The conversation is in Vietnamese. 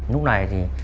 lúc này thì